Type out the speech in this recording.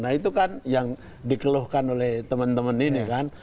nah itu kan yang dikeluhkan oleh teman teman ini kan